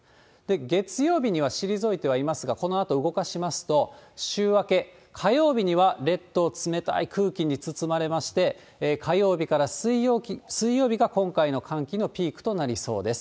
月曜日には退いてはいますが、このあと動かしますと、週明け、火曜日には列島、冷たい空気に包まれまして、火曜日から水曜日が今回の寒気のピークとなりそうです。